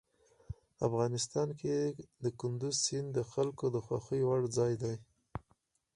افغانستان کې کندز سیند د خلکو د خوښې وړ ځای دی.